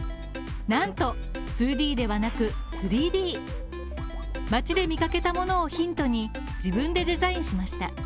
なんと２Ｄではなく、３Ｄちょっと街で見かけたものをヒントに自分でデザインしました。